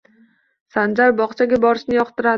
Sanjar bog'chaga borishni yoqtiradi